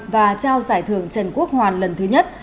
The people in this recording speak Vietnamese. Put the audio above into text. và trao giải thưởng trần quốc hoàn lần thứ nhất